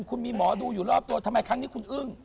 คุณมีหมอดูอยู่รอบตัวทำไมครั้งนี้คุณอึ้ง